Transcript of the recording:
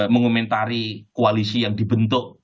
mengomentari koalisi yang dibentuk